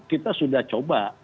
kita sudah coba